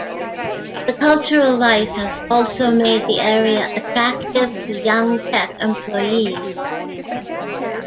The cultural life has also made the area attractive to young tech employees.